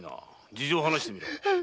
事情を話してみろ。